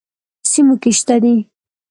سیموکې شته دي.